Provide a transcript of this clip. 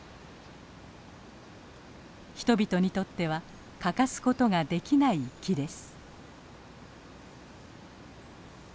人々にとっては欠かすことができない木です。